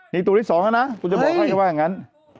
นี่ตัวอีกสองนะตัวอีกสองนะกูจะบอกให้ว่าอย่างนั้น